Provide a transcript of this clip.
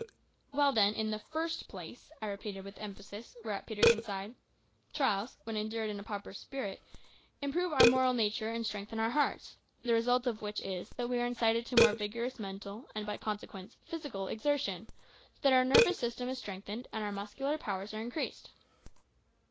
"Well, then, in the first place," I repeated with emphasis, whereat Peterkin sighed, "trials, when endured in a proper spirit, improve our moral nature and strengthen our hearts; the result of which is, that we are incited to more vigorous mental, and, by consequence, physical exertion, so that our nervous system is strengthened and our muscular powers are increased."